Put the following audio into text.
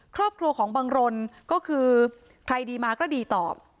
ครอบครัวของบังรนก็คือใครดีมาก็ดีตอบ